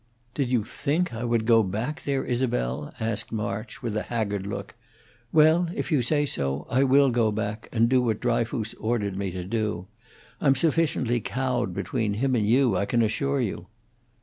"Did you think I would go back there, Isabel?" asked March, with a haggard look. "Well, if you say so, I will go back, and do what Dryfoos ordered me to do. I'm sufficiently cowed between him and you, I can assure you."